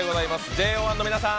ＪＯ１の皆さん。